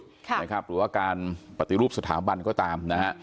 หรือว่าการปฏิรูปสถาบันก็ตามนะฮะ